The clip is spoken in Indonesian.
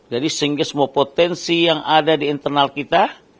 jadi sehingga semua potensi yang ada di internal kita